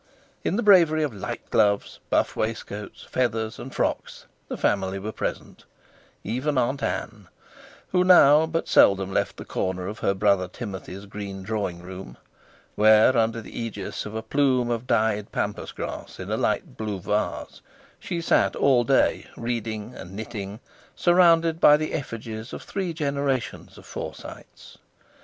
In the bravery of light gloves, buff waistcoats, feathers and frocks, the family were present, even Aunt Ann, who now but seldom left the corner of her brother Timothy's green drawing room, where, under the aegis of a plume of dyed pampas grass in a light blue vase, she sat all day reading and knitting, surrounded by the effigies of three generations of Forsytes.